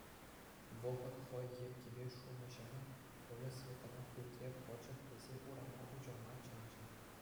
Вӑхӑт хӑй еккипе шунӑҫемӗн Коля Светӑна пӳртре пӑчӑ тесе урама уҫӑлма чӗнчӗ.